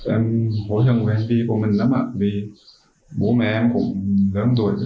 em hối hồng với em vì của mình lắm ạ vì bố mẹ em cũng gớm tuổi